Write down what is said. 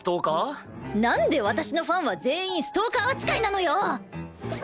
なんで私のファンは全員ストーカー扱いなのよ！